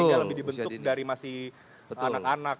sehingga lebih dibentuk dari masih anak anak